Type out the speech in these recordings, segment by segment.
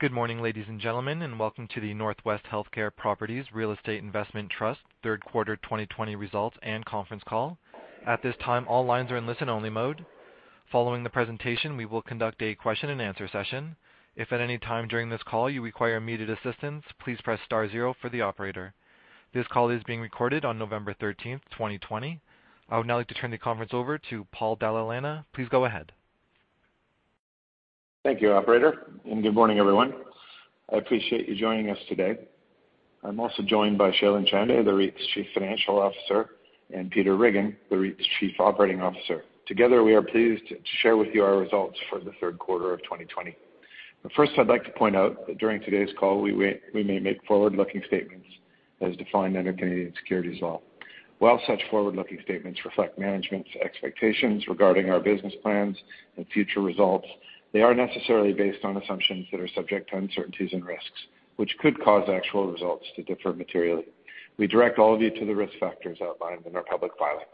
Good morning, ladies and gentlemen, and welcome to the Northwest Healthcare Properties Real Estate Investment Trust third quarter 2020 results and conference call. At this time, all lines are in listen-only mode. Following the presentation we will conduct a question-and-answer session. If at any time during this call you require immediate assistance, please press star zero for the operator. This call is being recorded on November 13th 2020. I would now like to turn the conference over to Paul Dalla Lana. Please go ahead. Thank you, operator, and good morning, everyone. I appreciate you joining us today. I'm also joined by Shailen Chande, the REIT's Chief Financial Officer, and Peter Riggin, the REIT's Chief Operating Officer. Together, we are pleased to share with you our results for the third quarter of 2020. First, I'd like to point out that during today's call, we may make forward-looking statements as defined under Canadian securities law. While such forward-looking statements reflect management's expectations regarding our business plans and future results, they are necessarily based on assumptions that are subject to uncertainties and risks, which could cause actual results to differ materially. We direct all of you to the risk factors outlined in our public filings.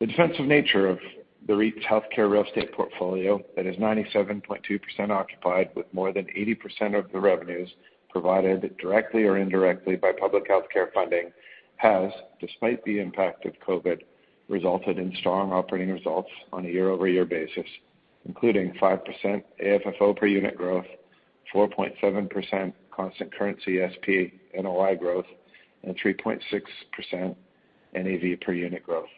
The defensive nature of the REIT's healthcare real estate portfolio that is 97.2% occupied with more than 80% of the revenues provided directly or indirectly by public healthcare funding has, despite the impact of COVID, resulted in strong operating results on a year-over-year basis, including 5% AFFO per unit growth, 4.7% constant currency SPNOI growth, and 3.6% NAV per unit growth.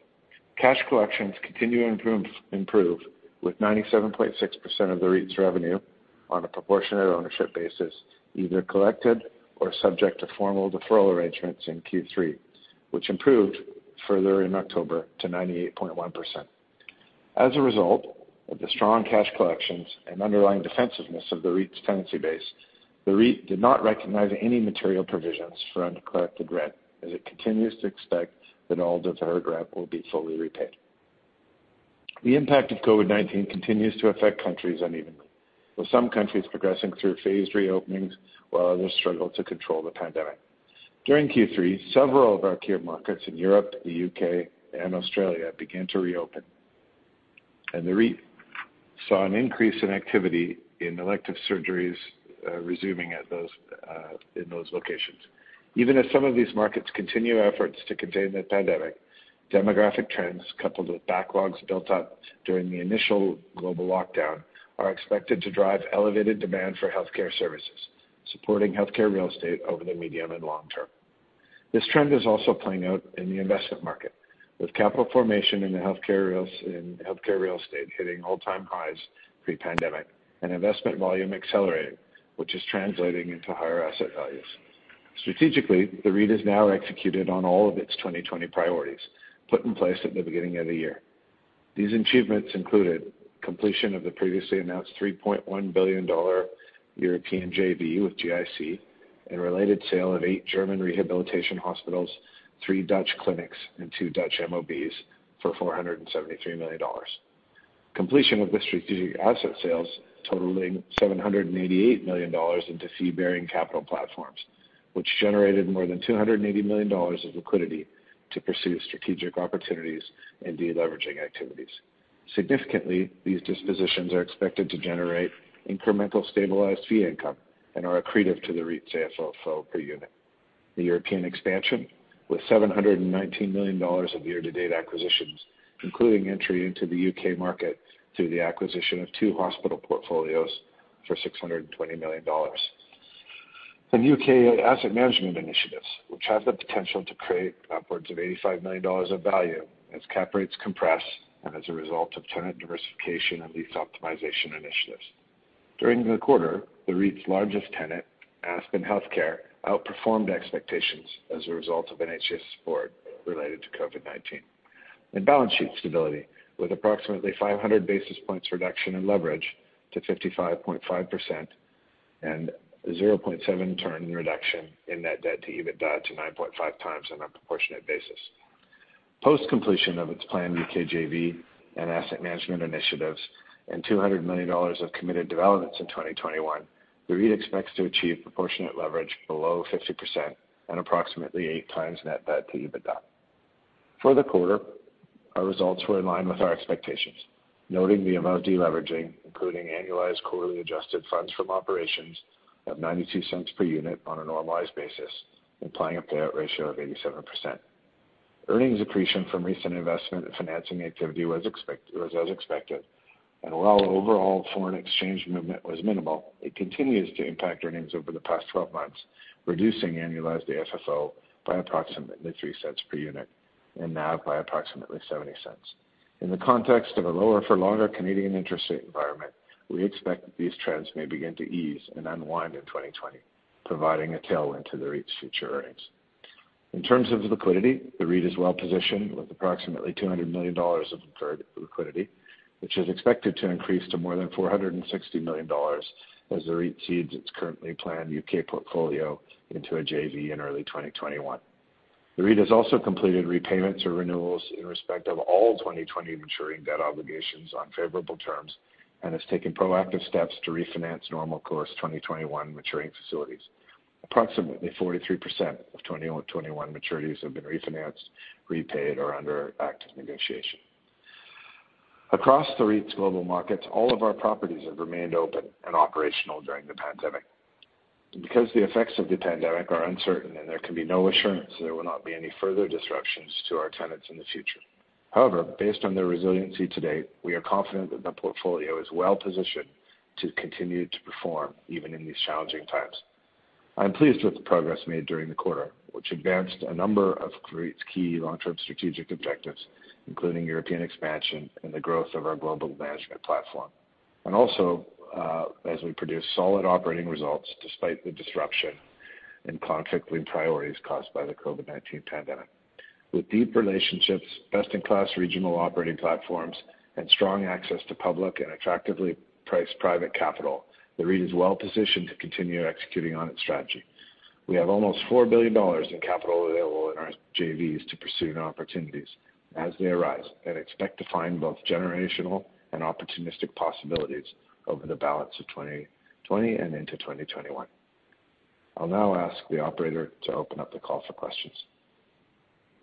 Cash collections continue to improve with 97.6% of the REIT's revenue on a proportionate ownership basis, either collected or subject to formal deferral arrangements in Q3, which improved further in October to 98.1%. As a result of the strong cash collections and underlying defensiveness of the REIT's tenancy base, the REIT did not recognize any material provisions for uncollected rent as it continues to expect that all deferred rent will be fully repaid. The impact of COVID-19 continues to affect countries unevenly, with some countries progressing through phased reopenings, while others struggle to control the pandemic. During Q3, several of our key markets in Europe, the U.K., and Australia began to reopen, and the REIT saw an increase in activity in elective surgeries resuming in those locations. Even as some of these markets continue efforts to contain the pandemic, demographic trends, coupled with backlogs built up during the initial global lockdown, are expected to drive elevated demand for healthcare services, supporting healthcare real estate over the medium and long term. This trend is also playing out in the investment market, with capital formation in healthcare real estate hitting all-time highs pre-pandemic and investment volume accelerating, which is translating into higher asset values. Strategically, the REIT has now executed on all of its 2020 priorities put in place at the beginning of the year. These achievements included completion of the previously announced 3.1 billion dollar European JV with GIC and related sale of eight German rehabilitation hospitals, three Dutch clinics, and two Dutch MOBs for 473 million dollars. Completion of the strategic asset sales totaling 788 million dollars into fee-bearing capital platforms, which generated more than 280 million dollars of liquidity to pursue strategic opportunities and deleveraging activities. Significantly, these dispositions are expected to generate incremental stabilized fee income and are accretive to the REIT's AFFO per unit. The European expansion, with 719 million dollars of year-to-date acquisitions, including entry into the U.K. market through the acquisition of two hospital portfolios for 620 million dollars. U.K. asset management initiatives, which have the potential to create upwards of 85 million dollars of value as cap rates compress and as a result of tenant diversification and lease optimization initiatives. During the quarter, the REIT's largest tenant, Aspen Healthcare, outperformed expectations as a result of NHS support related to COVID-19. Balance sheet stability, with approximately 500 basis points reduction in leverage to 55.5% and a 0.7x turn reduction in net debt-to-EBITDA to 9.5x on a proportionate basis. Post completion of its planned U.K. JV and asset management initiatives and 200 million dollars of committed developments in 2021, the REIT expects to achieve proportionate leverage below 50% and approximately 8x net debt-to-EBITDA. For the quarter, our results were in line with our expectations, noting the amount of deleveraging, including annualized quarterly adjusted funds from operations of 0.92 per unit on a normalized basis, implying a payout ratio of 87%. Earnings accretion from recent investment and financing activity was as expected. While overall foreign exchange movement was minimal, it continues to impact earnings over the past 12 months, reducing annualized AFFO by approximately 0.03 per unit and NAV by approximately 0.70. In the context of a lower for longer Canadian interest rate environment, we expect that these trends may begin to ease and unwind in 2020, providing a tailwind to the REIT's future earnings. In terms of liquidity, the REIT is well positioned with approximately 200 million dollars of liquidity, which is expected to increase to more than 460 million dollars as the REIT cedes its currently planned U.K. portfolio into a JV in early 2021. The REIT has also completed repayments or renewals in respect of all 2020 maturing debt obligations on favorable terms and has taken proactive steps to refinance normal course 2021 maturing facilities. Approximately 43% of 2021 maturities have been refinanced, repaid, or under active negotiation. Across the REIT's global markets, all of our properties have remained open and operational during the pandemic. Because the effects of the pandemic are uncertain and there can be no assurance there will not be any further disruptions to our tenants in the future. However, based on their resiliency to date, we are confident that the portfolio is well positioned to continue to perform even in these challenging times. I'm pleased with the progress made during the quarter, which advanced a number of key long-term strategic objectives, including European expansion and the growth of our global management platform. Also, as we produce solid operating results despite the disruption and conflicting priorities caused by the COVID-19 pandemic. With deep relationships, best-in-class regional operating platforms, and strong access to public and attractively priced private capital, the REIT is well positioned to continue executing on its strategy. We have almost 4 billion dollars in capital available in our JVs to pursue new opportunities as they arise, and expect to find both generational and opportunistic possibilities over the balance of 2020 and into 2021. I'll now ask the operator to open up the call for questions.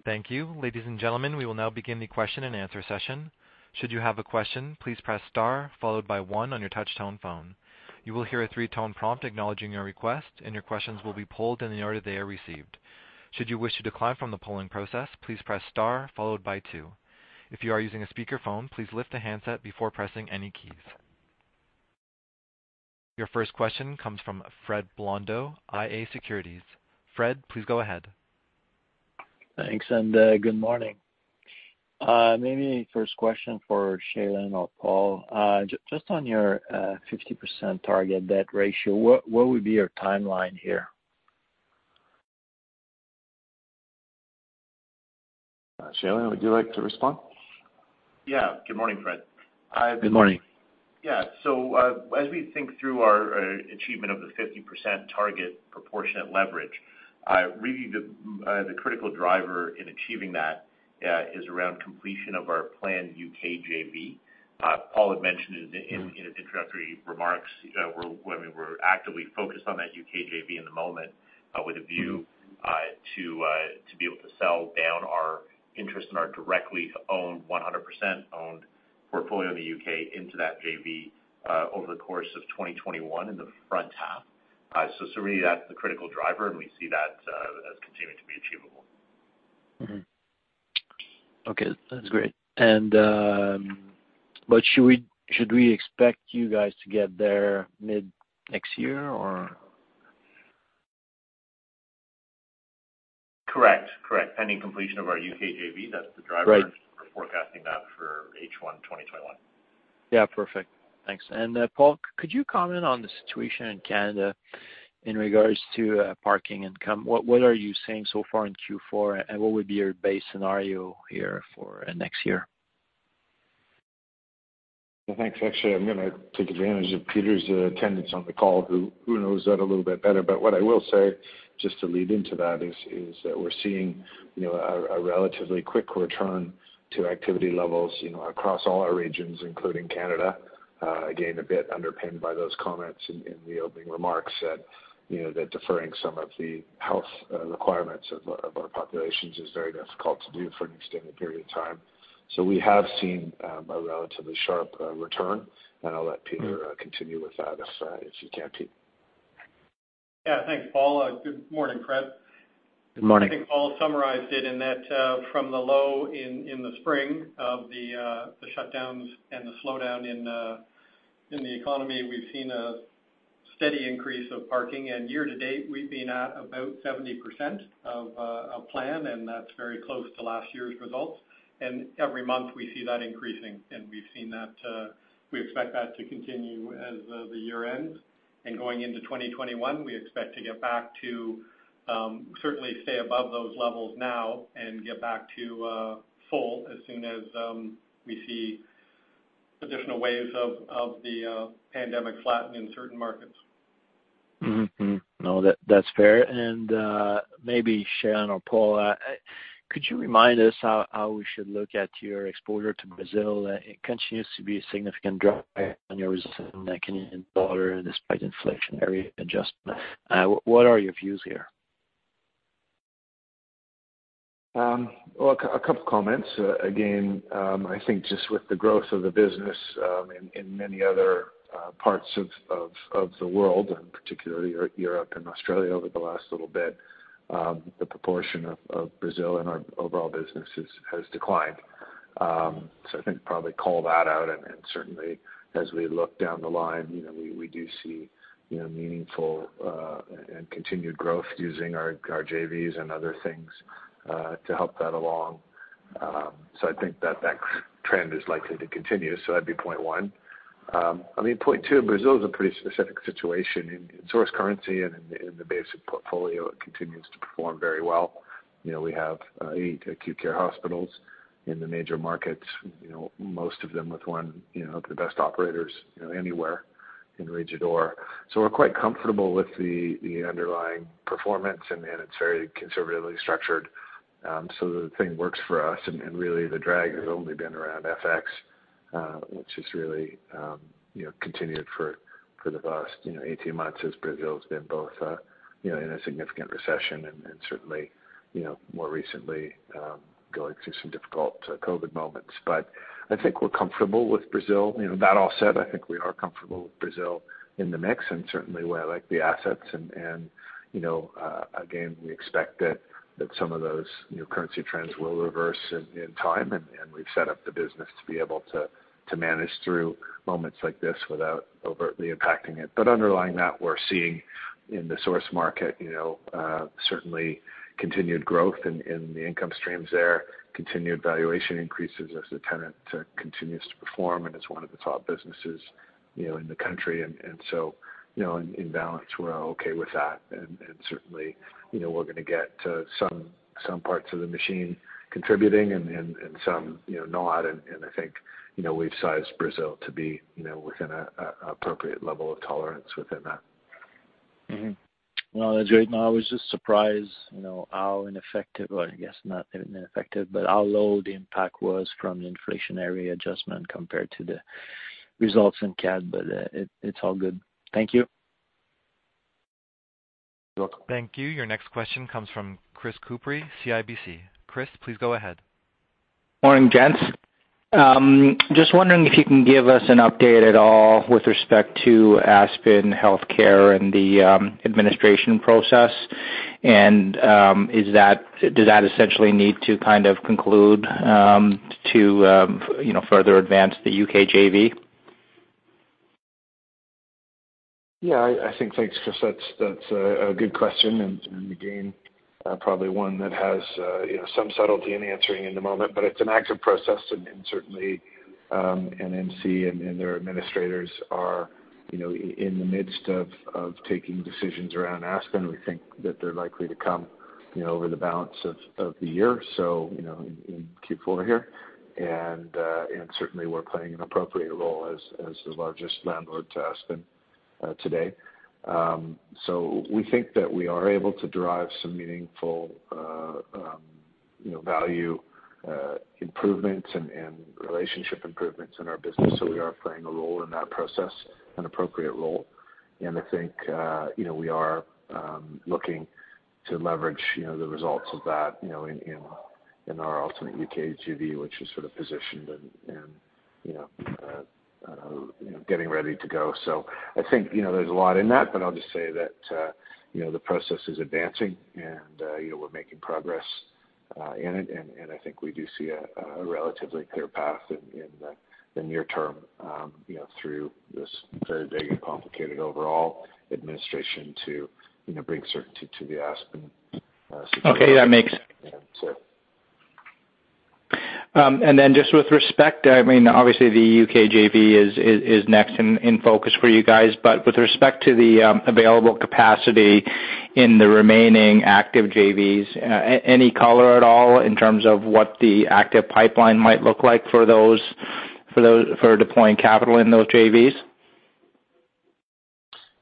Thank you. Ladies and gentlemen, we will now begin the question-and-answer session. Should you have a question, please press star followed by one on your touch-tone phone. You will hear a three-tone prompt acknowledging your request and your questions will be pulled in the order they are received. Should you wish to decline from the polling process, please press star followed by two. If you are using a speaker phone, please lift the handset before pressing any keys. Your first question comes from Fred Blondeau, iA Securities. Fred, please go ahead. Thanks, and good morning. Maybe first question for Shailen or Paul. Just on your 50% target debt ratio, what would be your timeline here? Shailen, would you like to respond? Yeah. Good morning, Fred. Good morning. As we think through our achievement of the 50% target proportionate leverage, really the critical driver in achieving that is around completion of our planned U.K. JV. Paul had mentioned in his introductory remarks, when we were actively focused on that U.K. JV in the moment with a view to be able to sell down our interest in our directly owned, 100% owned portfolio in the U.K. into that JV, over the course of 2021 in the front half. Really that's the critical driver, and we see that as continuing to be achievable. Okay. That's great. Should we expect you guys to get there mid-next year, or? Correct. Pending completion of our U.K. JV, that's the driver. Right. We're forecasting that for H1 2021. Yeah. Perfect. Thanks. Paul, could you comment on the situation in Canada in regards to parking income? What are you seeing so far in Q4, and what would be your base scenario here for next year? Well, thanks. Actually, I'm going to take advantage of Peter's attendance on the call, who knows that a little bit better. What I will say, just to lead into that, is that we're seeing a relatively quick return to activity levels across all our regions, including Canada. Again, a bit underpinned by those comments in the opening remarks that deferring some of the health requirements of our populations is very difficult to do for an extended period of time. We have seen a relatively sharp return, and I'll let Peter continue with that if you can, Pete? Yeah. Thanks, Paul. Good morning, Fred. Good morning. I think Paul summarized it in that from the low in the spring of the shutdowns and the slowdown in the economy, we've seen a steady increase of parking. Year to date, we've been at about 70% of plan, and that's very close to last year's results. Every month we see that increasing, and we expect that to continue as the year ends. Going into 2021, we expect to get back to certainly stay above those levels now and get back to full as soon as we see additional waves of the pandemic flatten in certain markets. Mm-hmm. No, that's fair. Maybe Shailen or Paul, could you remind us how we should look at your exposure to Brazil? It continues to be a significant driver on your Canadian dollar, despite inflationary adjustment. What are your views here? Well, a couple comments. I think just with the growth of the business in many other parts of the world, and particularly Europe and Australia over the last little bit, the proportion of Brazil in our overall business has declined. I think probably call that out, and certainly as we look down the line, we do see meaningful and continued growth using our JVs and other things to help that along. I think that trend is likely to continue. That'd be point one. I mean, point two, Brazil is a pretty specific situation. In source currency and in the base portfolio, it continues to perform very well. We have eight acute care hospitals in the major markets, most of them with one of the best operators anywhere in Rede D'Or. We're quite comfortable with the underlying performance, and it's very conservatively structured. The thing works for us and really the drag has only been around FX, which has really continued for the last 18 months as Brazil has been both in a significant recession and certainly, more recently, going through some difficult COVID moments. I think we're comfortable with Brazil. That all said, I think we are comfortable with Brazil in the mix, and certainly we like the assets and again, we expect that some of those currency trends will reverse in time, and we've set up the business to be able to manage through moments like this without overtly impacting it. Underlying that, we're seeing in the source market, certainly continued growth in the income streams there, continued valuation increases as the tenant continues to perform, and it's one of the top businesses in the country. In balance, we're okay with that. Certainly, we're going to get to some parts of the machine contributing and some not. I think, we've sized Brazil to be within an appropriate level of tolerance within that. That's great. I was just surprised how ineffective, or I guess not ineffective, but how low the impact was from the inflationary adjustment compared to the results in Canadian dollar. It's all good. Thank you. You're welcome. Thank you. Your next question comes from Chris Couprie, CIBC. Chris, please go ahead. Morning, gents. Just wondering if you can give us an update at all with respect to Aspen Healthcare and the administration process, and does that essentially need to kind of conclude to further advance the U.K. JV? I think, thanks, Chris. That's a good question. Again, probably one that has some subtlety in answering in the moment, but it's an active process and certainly, NMC and their administrators are in the midst of taking decisions around Aspen. We think that they're likely to come over the balance of the year, so in Q4 here. Certainly, we're playing an appropriate role as the largest landlord to Aspen today. We think that we are able to derive some meaningful value improvements and relationship improvements in our business. We are playing a role in that process, an appropriate role. I think we are looking to leverage the results of that in our ultimate U.K. JV, which is sort of positioned and getting ready to go. I think there's a lot in that, but I'll just say that the process is advancing and we're making progress in it. I think we do see a relatively clear path in the near term through this very big and complicated overall administration to bring certainty to the Aspen situation. Okay, that makes sense. Yeah. Just with respect, obviously the U.K. JV is next in focus for you guys, but with respect to the available capacity in the remaining active JVs, any color at all in terms of what the active pipeline might look like for deploying capital in those JVs?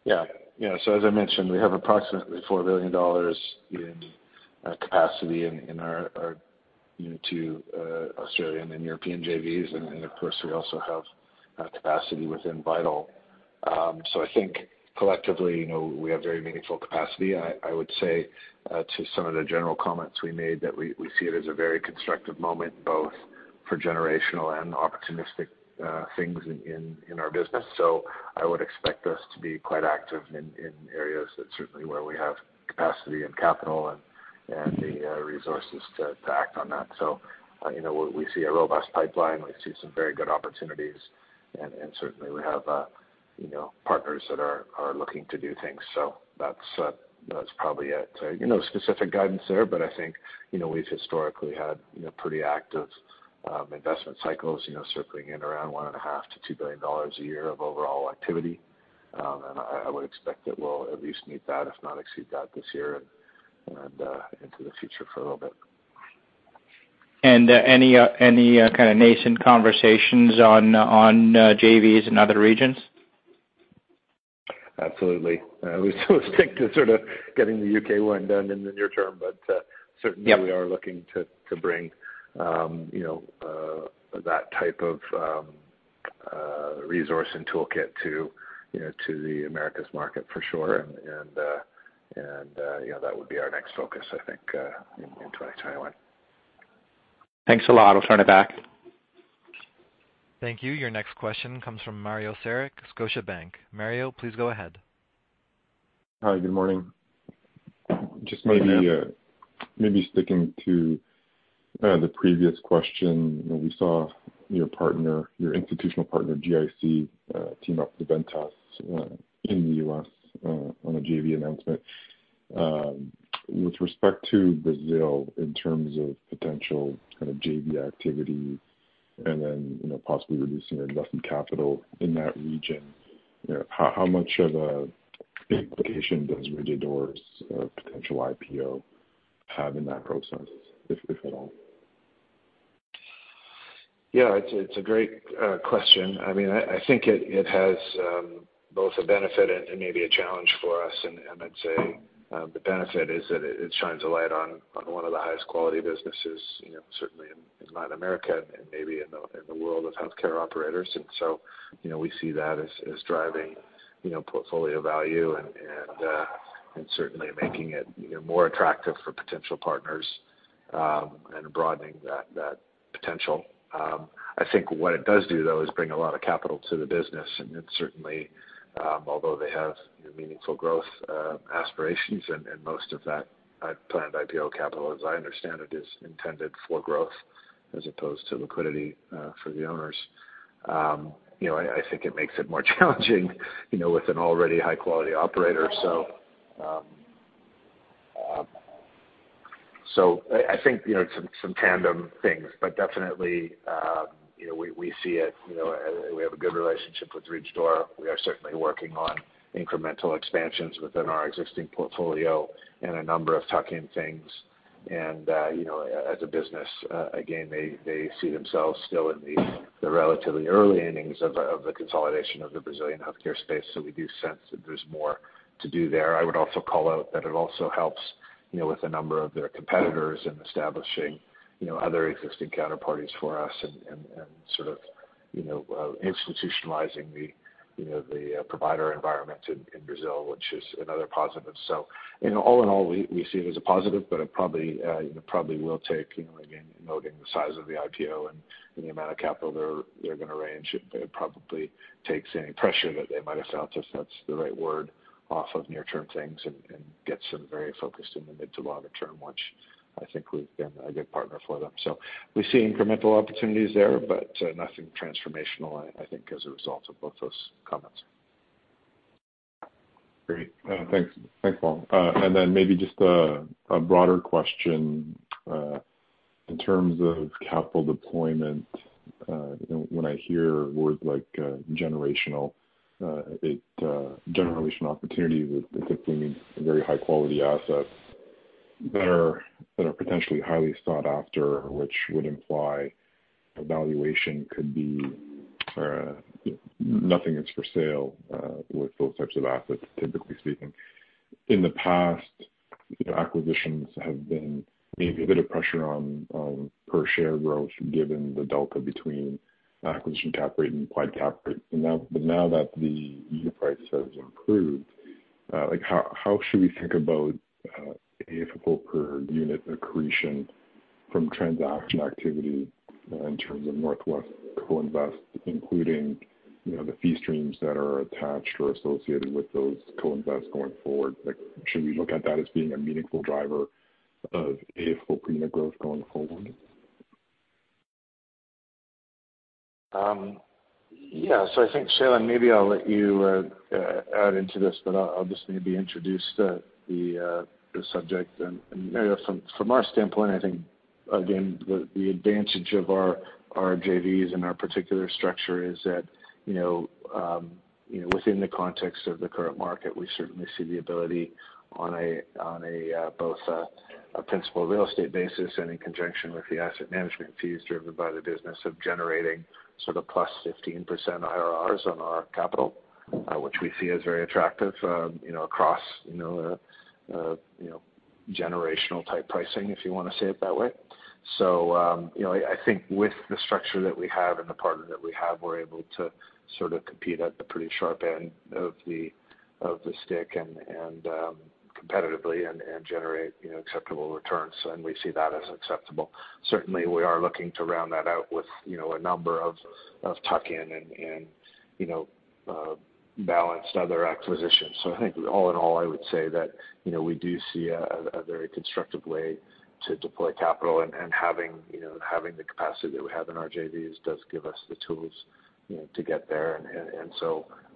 Yeah. As I mentioned, we have approximately 4 billion dollars in capacity in our two Australian and European JVs. Of course, we also have capacity within Vital. I think collectively, we have very meaningful capacity. I would say to some of the general comments we made, that we see it as a very constructive moment, both for generational and opportunistic things in our business. I would expect us to be quite active in areas that certainly where we have capacity and capital and the resources to act on that. We see a robust pipeline. We see some very good opportunities, and certainly we have partners that are looking to do things. That's probably it. No specific guidance there, but I think we've historically had pretty active investment cycles circling in around 1.5 billion-2 billion dollars a year of overall activity. I would expect that we'll at least meet that, if not exceed that this year and into the future for a little bit. Any kind of nascent conversations on JVs in other regions? Absolutely. We'll stick to sort of getting the U.K. one done in the near term- Yep ...certainly we are looking to bring that type of resource and toolkit to the Americas market for sure. That would be our next focus, I think, in 2021. Thanks a lot. I'll turn it back. Thank you. Your next question comes from Mario Saric, Scotiabank. Mario, please go ahead. Hi, good morning. Good morning. Just maybe sticking to the previous question. We saw your institutional partner, GIC, team up with Ventas in the U.S. on a JV announcement. With respect to Brazil, in terms of potential kind of JV activity and then possibly reducing your investment capital in that region, how much of an implication does Rede D'Or's potential IPO have in that process, if at all? Yeah, it's a great question. I think it has both a benefit and maybe a challenge for us. I'd say the benefit is that it shines a light on one of the highest quality businesses, certainly in Latin America and maybe in the world of healthcare operators. We see that as driving portfolio value and certainly making it more attractive for potential partners and broadening that potential. I think what it does do, though, is bring a lot of capital to the business. It certainly, although they have meaningful growth aspirations and most of that planned IPO capital, as I understand it, is intended for growth as opposed to liquidity for the owners. I think it makes it more challenging with an already high-quality operator. I think, you know, some tandem things. Definitely, we have a good relationship with Rede D'Or. We are certainly working on incremental expansions within our existing portfolio and a number of tuck-in things. As a business, again, they see themselves still in the relatively early innings of the consolidation of the Brazilian healthcare space. We do sense that there's more to do there. I would also call out that it also helps with a number of their competitors in establishing other existing counterparties for us and sort of institutionalizing the provider environment in Brazil, which is another positive. All in all, we see it as a positive, but it probably will take, again, noting the size of the IPO and the amount of capital they're going to raise. It probably takes any pressure that they might have felt, if that's the right word, off of near-term things and gets them very focused in the mid- to longer term, which I think we've been a good partner for them. We see incremental opportunities there, but nothing transformational, I think, as a result of both those comments. Great. Thanks, Paul. Then maybe just a broader question. In terms of capital deployment when I hear words like generational opportunities with existing very high-quality assets that are potentially highly sought after, which would imply a valuation could be nothing is for sale with those types of assets, typically speaking. In the past, acquisitions have been maybe a bit of pressure on per-share growth given the delta between acquisition cap rate and applied cap rate. Now that the unit price has improved, how should we think about AFFO per unit accretion from transaction activity in terms of Northwest co-invest, including the fee streams that are attached or associated with those co-invests going forward? Should we look at that as being a meaningful driver of AFFO per unit growth going forward? I think, Shailen, maybe I'll let you add into this, but I'll just maybe introduce the subject. From our standpoint, I think, again, the advantage of our JVs and our particular structure is that within the context of the current market, we certainly see the ability on both a principal real estate basis and in conjunction with the asset management fees driven by the business of generating sort of +15% IRRs on our capital, which we see as very attractive across generational-type pricing, if you want to say it that way. I think with the structure that we have and the partner that we have, we're able to sort of compete at the pretty sharp end of the stick and competitively and generate acceptable returns. We see that as acceptable. Certainly, we are looking to round that out with a number of tuck-in and balanced other acquisitions. I think all in all, I would say that we do see a very constructive way to deploy capital. Having the capacity that we have in our JVs does give us the tools to get there.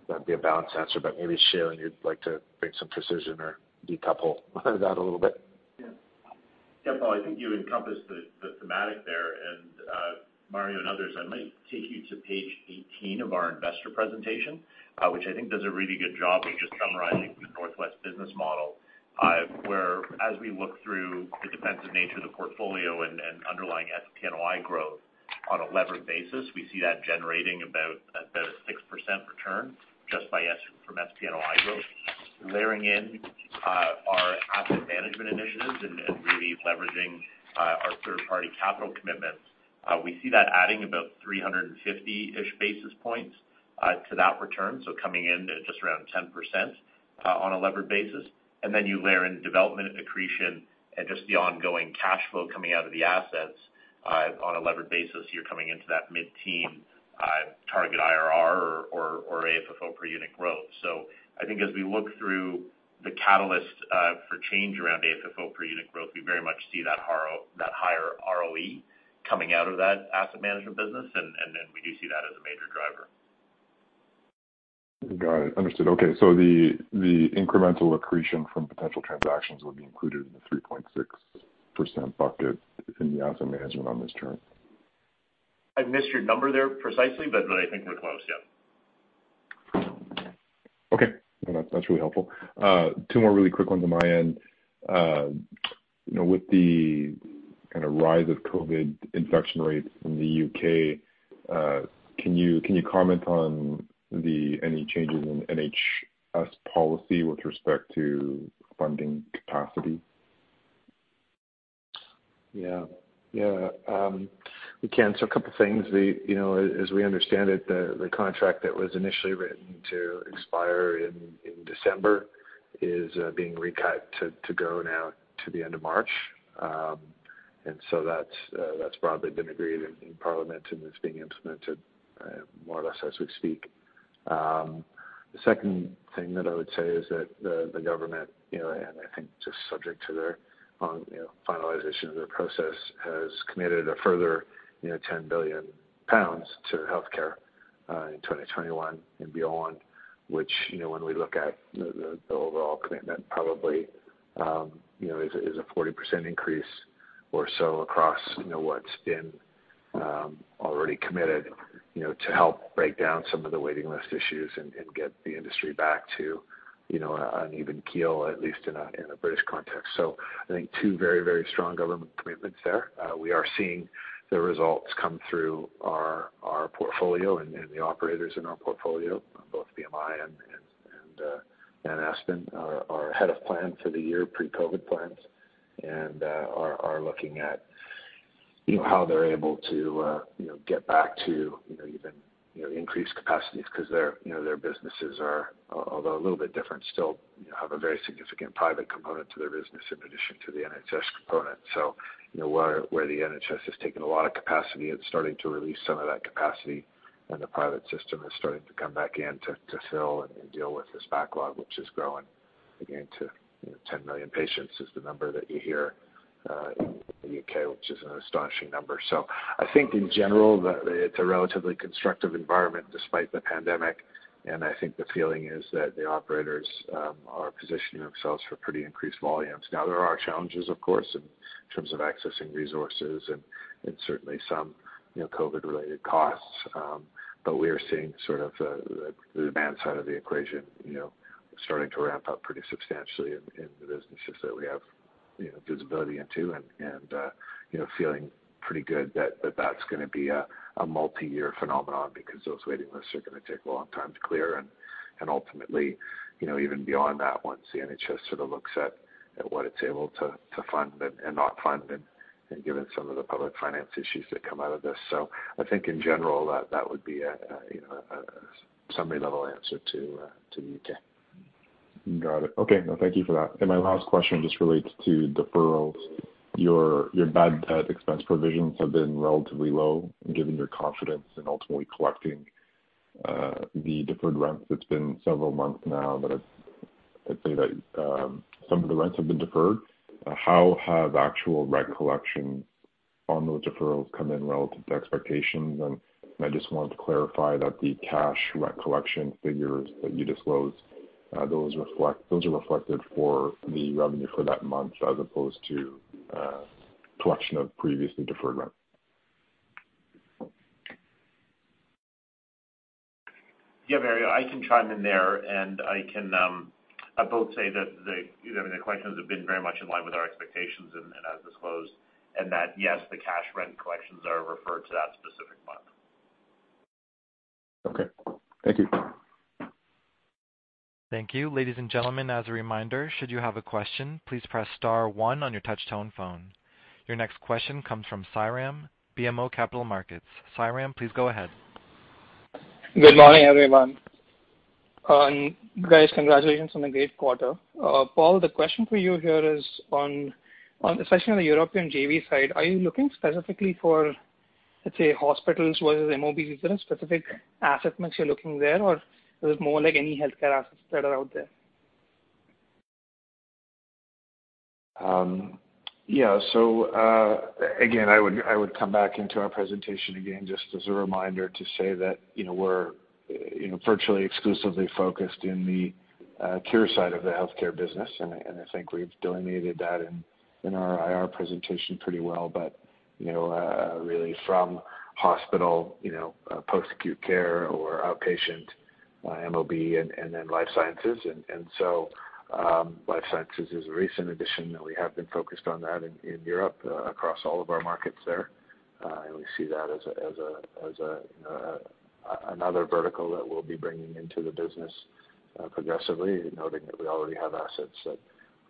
That'd be a balanced answer. Maybe, Shailen, you'd like to bring some precision or decouple that a little bit? Yeah, Paul, I think you encompassed the thematic there. Mario and others, I might take you to page 18 of our investor presentation, which I think does a really good job of just summarizing the Northwest business model, where as we look through the defensive nature of the portfolio and underlying AFFO growth on a levered basis, we see that generating about a 6% return just from SPNOI growth. Layering in our asset management initiatives and really leveraging our third-party capital commitments. We see that adding about 350 basis points to that return. Coming in at just around 10% on a levered basis. You layer in development accretion and just the ongoing cash flow coming out of the assets on a levered basis, you're coming into that mid-teen target IRR or AFFO per unit growth. I think as we look through the catalyst for change around AFFO per unit growth, we very much see that higher ROE coming out of that asset management business, and we do see that as a major driver. Got it. Understood. Okay. The incremental accretion from potential transactions would be included in the 3.6% bucket in the asset management on this chart. I missed your number there precisely, but I think we're close. Yeah. Okay. No, that's really helpful. Two more really quick ones on my end. With the kind of rise of COVID infection rates in the U.K., can you comment on any changes in NHS policy with respect to funding capacity? Yeah. We can. A couple things. As we understand it, the contract that was initially written to expire in December is being recut to go now to the end of March. That's broadly been agreed in Parliament, and it's being implemented more or less as we speak. The second thing that I would say is that the government, and I think just subject to their finalization of their process, has committed a further 10 billion pounds to healthcare in 2021 and beyond, which, when we look at the overall commitment, probably is a 40% increase or so across what's been already committed, to help break down some of the waiting list issues and get the industry back to an even keel, at least in a British context. I think two very strong government commitments there. We are seeing the results come through our portfolio and the operators in our portfolio, both BMI and Aspen are ahead of plan for the year, pre-COVID-19 plans. Are looking at how they're able to get back to even increased capacities because their businesses are, although a little bit different, still have a very significant private component to their business in addition to the NHS component. Where the NHS has taken a lot of capacity, it's starting to release some of that capacity, and the private system is starting to come back in to fill and deal with this backlog, which is growing, again, to 10 million patients is the number that you hear in the U.K., which is an astonishing number. I think in general, it's a relatively constructive environment despite the pandemic, and I think the feeling is that the operators are positioning themselves for pretty increased volumes. There are challenges, of course, in terms of accessing resources and certainly some COVID-related costs. We are seeing sort of the demand side of the equation starting to ramp up pretty substantially in the businesses that we have visibility into, and feeling pretty good that that's going to be a multi-year phenomenon because those waiting lists are going to take a long time to clear, ultimately, even beyond that, once the NHS sort of looks at what it's able to fund and not fund, and given some of the public finance issues that come out of this. I think in general, that would be a summary level answer to the U.K. Got it. Okay. No, thank you for that. My last question just relates to deferrals. Your bad debt expense provisions have been relatively low, given your confidence in ultimately collecting the deferred rents. It's been several months now that I'd say that some of the rents have been deferred. How have actual rent collections on those deferrals come in relative to expectations? I just wanted to clarify that the cash rent collection figures that you disclosed, those are reflected for the revenue for that month as opposed to collection of previously deferred rent. Yeah, Mario, I can chime in there and I can both say that the collections have been very much in line with our expectations and as disclosed, and that, yes, the cash rent collections are referred to that specific month. Okay. Thank you. Thank you. Ladies and gentlemen, as a reminder, should you have a question, please press star one on your touch-tone phone. Your next question comes from Sairam, BMO Capital Markets. Sairam, please go ahead. Good morning, everyone. Guys, congratulations on a great quarter. Paul, the question for you here is on, especially on the European JV side, are you looking specifically for, let's say, hospitals versus MOB? Is there a specific asset mix you're looking there, or is it more like any healthcare assets that are out there? Yeah. Again, I would come back into our presentation again, just as a reminder to say that we're virtually exclusively focused in the cure side of the healthcare business, and I think we've delineated that in our IR presentation pretty well. Really from hospital, post-acute care or outpatient MOB and then life sciences. Life sciences is a recent addition that we have been focused on that in Europe, across all of our markets there. We see that as another vertical that we'll be bringing into the business progressively, noting that we already have assets that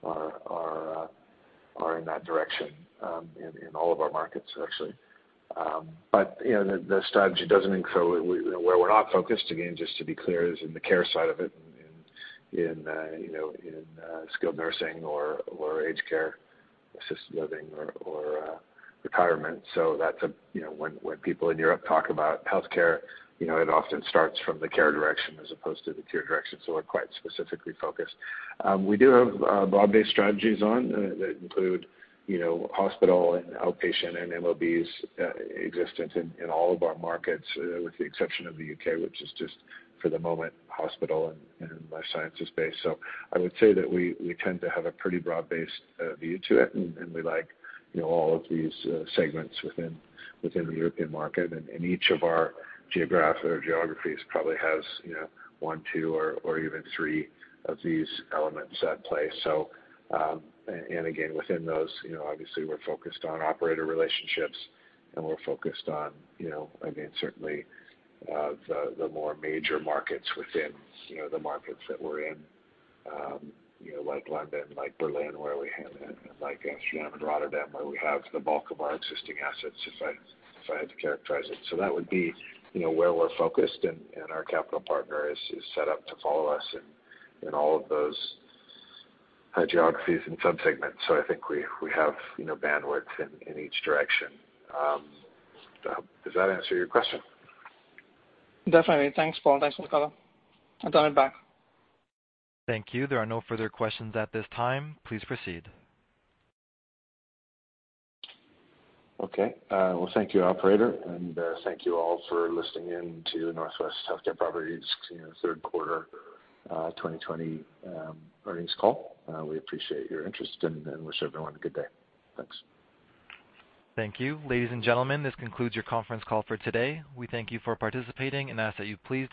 are in that direction in all of our markets, actually. The strategy doesn't include where we're not focused, again, just to be clear, is in the care side of it, in skilled nursing or aged care, assisted living or retirement. When people in Europe talk about healthcare, it often starts from the care direction as opposed to the cure direction, so we're quite specifically focused. We do have broad-based strategies on that include hospital and outpatient and MOBs existent in all of our markets, with the exception of the U.K., which is just, for the moment, hospital and life sciences-based. I would say that we tend to have a pretty broad-based view to it, and we like all of these segments within the European market. Each of our geographies probably has one, two, or even three of these elements at play. Again, within those obviously we're focused on operator relationships and we're focused on, again, certainly the more major markets within the markets that we're in, like London, like Berlin, and like Amsterdam and Rotterdam, where we have the bulk of our existing assets, if I had to characterize it. That would be where we're focused, and our capital partner is set up to follow us in all of those geographies in some segments. I think we have bandwidth in each direction. Does that answer your question? Definitely. Thanks, Paul. Thanks for the color. I'll turn it back. Thank you. There are no further questions at this time. Please proceed. Okay. Well, thank you, operator, and thank you all for listening in to Northwest Healthcare Properties REIT's third quarter 2020 earnings call. We appreciate your interest and wish everyone a good day. Thanks. Thank you. Ladies and gentlemen, this concludes your conference call for today. We thank you for participating and ask that you please-